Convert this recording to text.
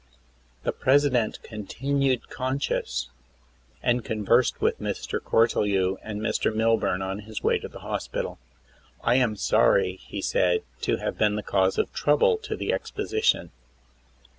The President continued conscious and conversed with Mr. Cortelyou and Mr. Milburn on his way to the hospital. "I am sorry," he said, "to have been the cause of trouble to the exposition."